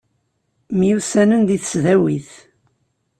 Myussanen deg tesdawit.